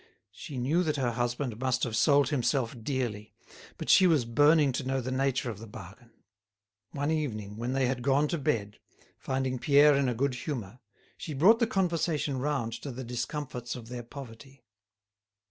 She knew that her husband must have sold himself dearly, but she was burning to know the nature of the bargain. One evening, when they had gone to bed, finding Pierre in a good humour, she brought the conversation round to the discomforts of their poverty.